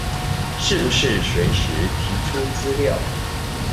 是不是隨時提出資料